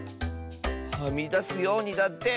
はみだすようにだって。